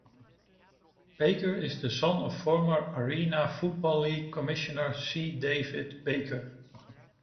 Baker is the son of former Arena Football League commissioner C. David Baker.